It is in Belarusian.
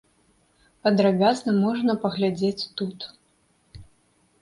Падрабязна можна паглядзець тут.